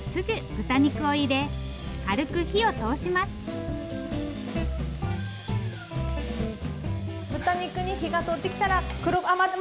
豚肉に火が通ってきたら黒待って！